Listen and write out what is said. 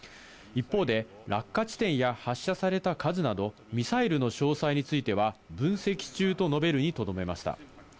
一方で落下地点や発射された数などミサイルの詳細については分析中と述べるにとどめました。